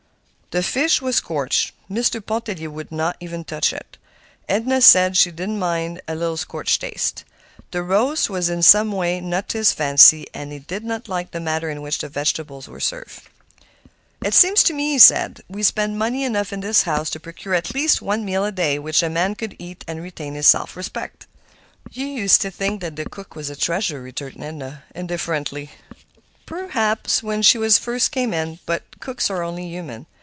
The fish was scorched. Mr. Pontellier would not touch it. Edna said she did not mind a little scorched taste. The roast was in some way not to his fancy, and he did not like the manner in which the vegetables were served. "It seems to me," he said, "we spend money enough in this house to procure at least one meal a day which a man could eat and retain his self respect." "You used to think the cook was a treasure," returned Edna, indifferently. "Perhaps she was when she first came; but cooks are only human.